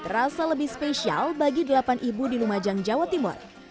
rasa lebih spesial bagi delapan ibu di lumajang jawa timur